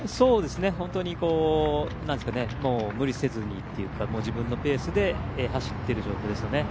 本当に無理せずにというか、自分のペースで走っている状況ですね。